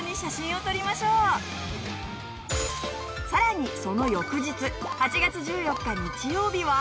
さらにその翌日８月１４日日曜日は。